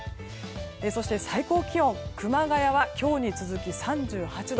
そして、最高気温熊谷は今日に続き３８度。